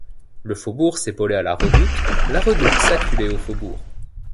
Le faubourg s’épaulait à la redoute, la redoute s’acculait au faubourg.